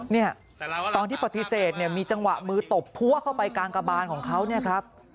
นี่ตอนที่ปฏิเสธมีจังหวะมือตบพัวเข้าไปกลางกระบานของเขา